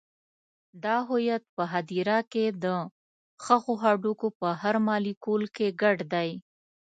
دا هویت په هدیرو کې د ښخو هډوکو په هر مالیکول کې ګډ دی.